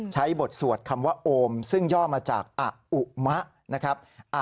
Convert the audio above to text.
บทสวดคำว่าโอมซึ่งย่อมาจากอุมะนะครับ